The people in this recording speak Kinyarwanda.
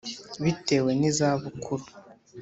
Bitewe n iza bukuru